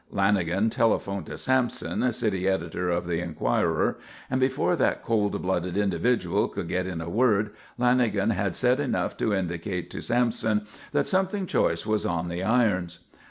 Lanagan telephoned to Sampson, city editor of the Enquirer, and before that cold blooded individual could get in a word, Lanagan had said enough to indicate to Sampson that something choice was on the irons.